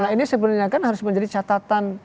nah ini sebenarnya kan harus menjadi catatan